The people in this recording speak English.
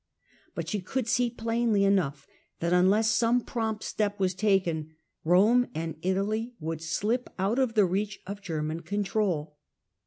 But she could see plainly enough that unless some prompt step was taken Rome and Italy would slip out of the reach of German con trol.